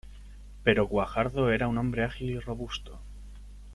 Pero Guajardo era un hombre ágil y robusto.